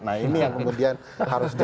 nah ini yang kemudian harus